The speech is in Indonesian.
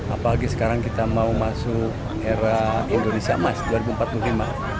apalagi sekarang kita mau masuk era indonesia emas dua ribu empat mungkin mas